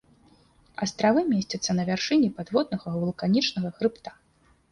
Астравы месцяцца на вяршыні падводнага вулканічнага хрыбта.